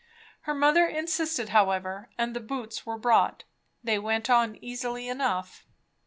Her mother insisted however, and the boots were brought. They went on easily enough.